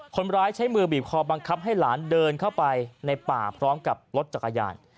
คนร้ายใช้มือบีบคอบังคับให้หลานเดินเข้าไปในป่าพร้อมกับรถจักรยาน